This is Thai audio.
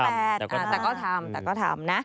แต่ก็ทำ